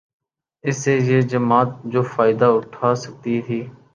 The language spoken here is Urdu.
اس سے یہ جماعت جو فائدہ اٹھا سکتی تھی